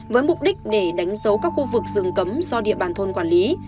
với mục đích để đánh dấu các khu vực rừng cấm do địa bàn thôn quản lý